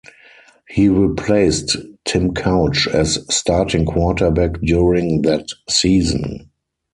He replaced Tim Couch as starting quarterback during that season.